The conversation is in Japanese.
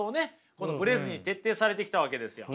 このブレずに徹底されてきたわけですよ。